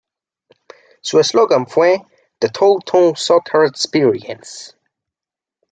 Su eslogan fue: ""The total soccer experience.